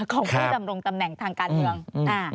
ของผู้ดำรงตำแหน่งทางการเมือง